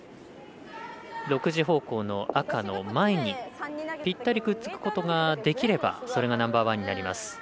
６時方向の赤の前にぴったりくっつくことができればそれがナンバーワンになります。